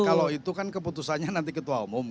kalau itu kan keputusannya nanti ketua umum